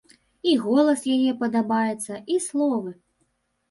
І голас яе падабаецца, і словы.